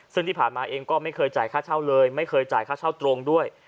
ซึ่งที่ผ่านมาเองก็ไม่เคยจ่ายค่าเช่าเลยไม่เคยจ่ายค่าเช่าตรงด้วย